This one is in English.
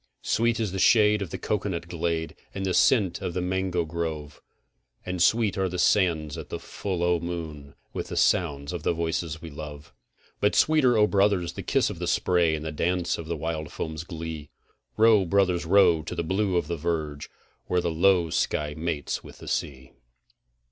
Sweet is the shade of the cocoanut glade, and the scent of the mango grove, And sweet are the sands at the full o' the moon with the sound of the voices we love. But sweeter, O brothers, the kiss of the spray and the dance of the wild foam's glee: Row, brothers, row to the blue of the verge, where the low sky mates with the sea.